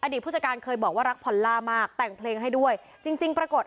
ผู้จัดการเคยบอกว่ารักพอลล่ามากแต่งเพลงให้ด้วยจริงจริงปรากฏ